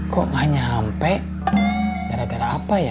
kok gak nyampe gara gara apa ya